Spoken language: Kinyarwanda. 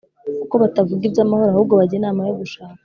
Kuko batavuga iby’amahoro, ahubwo bajya inama yo gushaka